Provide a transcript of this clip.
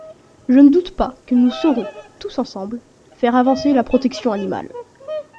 Je ne doute pas que nous saurons, tous ensemble, faire avancer la protection animale.